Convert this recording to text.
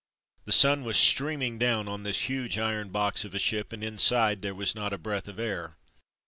The sun was streaming down on this huge iron box of a ship, and inside there was not a breath of air.